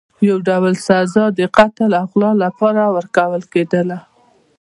یو ډول سزا د قتل او غلا لپاره ورکول کېدله.